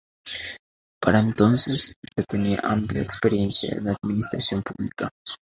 Para entonces, ya tenía amplia experiencia en administración pública.